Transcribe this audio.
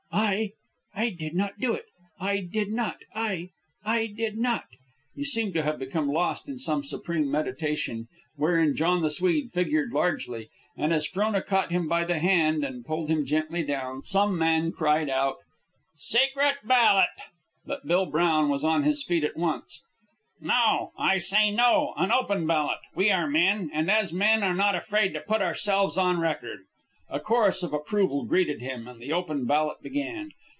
"I ... I did not do it ... I did not ... I ... I did not." He seemed to have become lost in some supreme meditation wherein John the Swede figured largely, and as Frona caught him by the hand and pulled him gently down, some man cried out, "Secret ballot!" But Bill Brown was on his feet at once. "No! I say no! An open ballot! We are men, and as men are not afraid to put ourselves on record." A chorus of approval greeted him, and the open ballot began.